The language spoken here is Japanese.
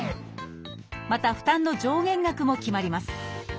また負担の上限額も決まります。